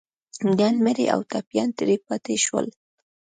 ګڼ مړي او ټپيان ترې پاتې شول.